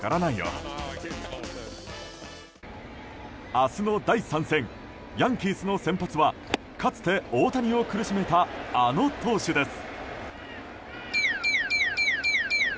明日の第３戦ヤンキースの先発はかつて大谷を苦しめたあの投手です。